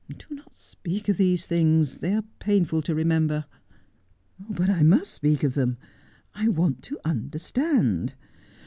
Do not speak of these things. They are painful to remember.' ' But I must speak of them. I want to understand.